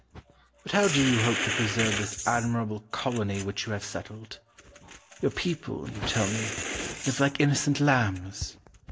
But how do you hope to preserve this admirable colony which you have settled? Your people, you tell me, live like innocent lambs.